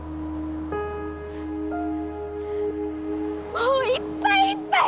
もういっぱいいっぱい！